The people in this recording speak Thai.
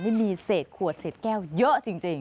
นี่มีเศษขวดเศษแก้วเยอะจริง